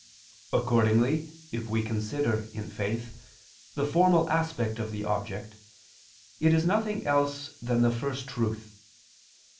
Accordingly if we consider, in faith, the formal aspect of the object, it is nothing else than the First Truth.